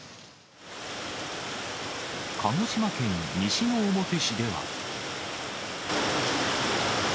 鹿児島県西之表市では。